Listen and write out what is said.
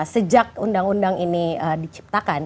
sejak undang undang ini diciptakan